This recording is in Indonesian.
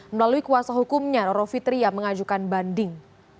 melalui kuasa hukumnya roro fitria mengajukan banding